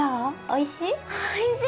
おいしい！